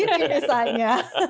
cuma disini misalnya